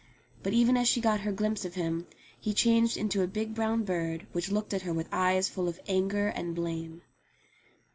But even as she got her glimpse of him, he changed into a big brown bird which looked at her with eyes full of anger and blame.